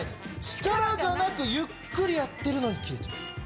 力じゃなくゆっくりやってるのに切れちゃう。